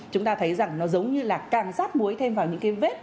chúng ta thấy rằng nó giống như là càng rát muối thêm vào những cái vết